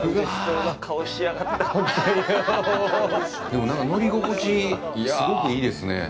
でも、なんか、乗り心地、すごくいいですね。